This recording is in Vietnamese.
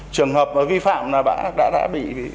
trường hợp vi phạm là đã bị